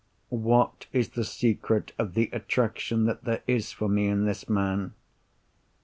What is the secret of the attraction that there is for me in this man?